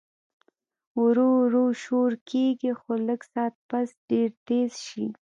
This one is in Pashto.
ورو ورو شورو کيږي خو لږ ساعت پس ډېر تېز شي